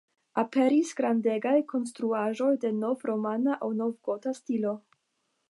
Aperis grandegaj konstruaĵoj de nov-romana aŭ nov-gota stilo.